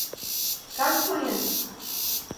Kaçmayın!